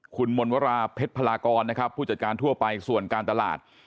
คุณมนต์วราเพชรพลากรนะครับผู้จัดการทั่วไปส่วนการตลาด